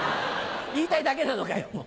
言いたいだけなのかよ。